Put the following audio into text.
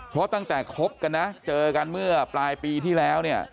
เพราะตั้งแต่คบกันนะเจอกันเมื่อปลายปีที่แล้วเนี่ย